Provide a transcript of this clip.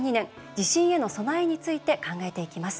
地震への備えについて考えていきます。